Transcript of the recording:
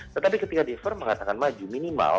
tetapi ketika di firm mengatakan maju minimal